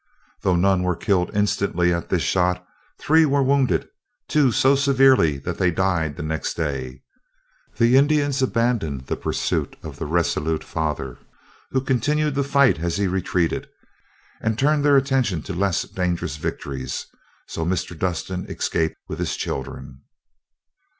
Though none were killed instantly at this shot, three were wounded, two so severely that they died next day. The Indians abandoned the pursuit of the resolute father, who continued to fight as he retreated, and turned their attention to less dangerous victories, so Mr. Dustin escaped with his children.